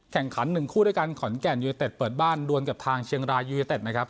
แข่งขัน๑คู่ด้วยกันขอนแก่นยูเนเต็ดเปิดบ้านดวนกับทางเชียงรายยูเนเต็ดนะครับ